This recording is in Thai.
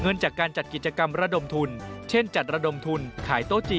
เงินจากการจัดกิจกรรมระดมทุนเช่นจัดระดมทุนขายโต๊ะจีน